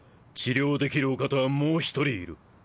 治療できるお方はもう一人いる。